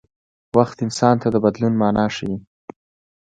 وخت انسان ته د بدلون مانا ښيي.